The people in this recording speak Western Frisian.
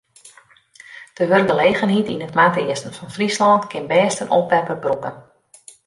De wurkgelegenheid yn it noardeasten fan Fryslân kin bêst in oppepper brûke.